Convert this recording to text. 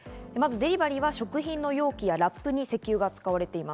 デリバリーは食品の容器やラップに石油が使われています。